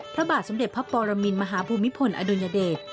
พระบาทสมเด็จพระปรมินมหาภูมิพลอดุลยเดช